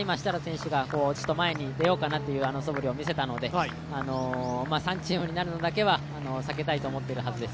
今、設楽選手が前に出ようかなというそぶりを見せたので３チームになるのだけは避けたいと思っているはずです。